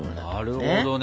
なるほどね。